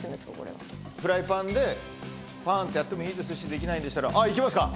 フライパンでパンってやってもいいですしできないんでしたらあっ行きますか？